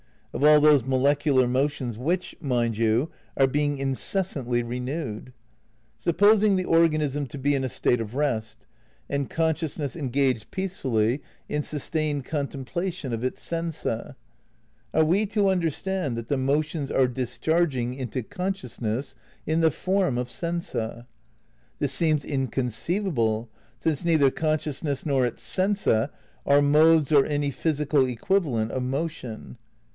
Of all those molecular motions which, mind you, are being incessantly renewed? Supposing the organism to be in a state of rest, and consciousness engaged peacefully in sustained contemplation of its sensa, are we to understand that the motions axe discharging into consciousness in the form of sensaf This seems incon ceivable, since neither consciousness nor its sensa are modes or any physical equivalent of motion.